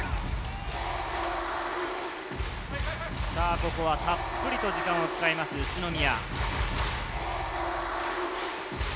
ここはたっぷりと時間を使います、宇都宮。